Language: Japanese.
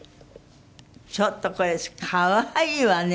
ちょっとこれ可愛いわね！